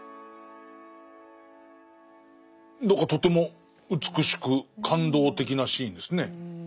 何かとても美しく感動的なシーンですね。